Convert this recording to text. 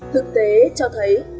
thực tế cho thấy